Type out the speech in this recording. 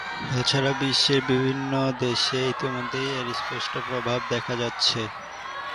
তাছাড়া বিশ্বের বিভিন্ন দেশে ইতোমধ্যেই এর স্পষ্ট প্রভাব দেখা যাচ্ছে।